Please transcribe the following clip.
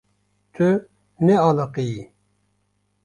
Tu nealiqiyî.